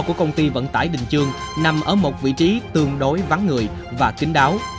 khó của công ty vận tải đình chương nằm ở một vị trí tương đối vắng ngừa và kín đáo